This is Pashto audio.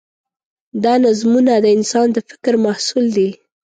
دا نظمونه د انسان د فکر محصول دي.